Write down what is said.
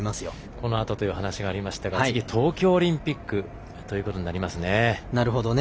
このあとという話がありましたが、次は東京オリンピックとなりますね。